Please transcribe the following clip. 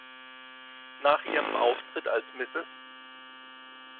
Nach ihrem Auftritt als Mrs.